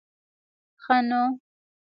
ښه نو.